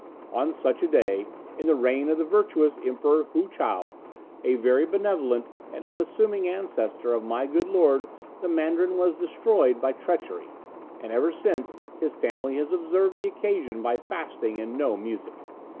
"On such a day, in the reign of the virtuous Emperor Hoo Chow, a very benevolent and unassuming ancestor of my good lord the Mandarin was destroyed by treachery, and ever since his family has observed the occasion by fasting and no music.